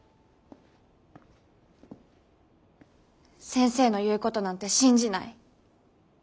先生の言うことなんて信じない。